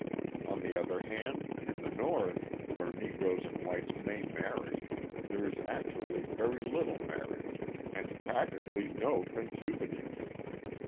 On the other hand, in the North, where Negroes and whites may marry, there is actually very little marriage and practically no concubinage.